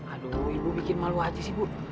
aduh ibu bikin malu aja sih bu